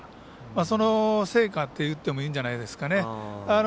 その成果と言ってもいいんじゃないでしょうかね。